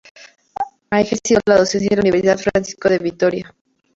Ha ejercido la docencia en la Universidad Francisco de Vitoria.